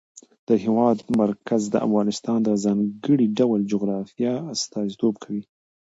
د هېواد مرکز د افغانستان د ځانګړي ډول جغرافیه استازیتوب کوي.